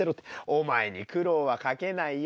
お前に苦労はかけないよ。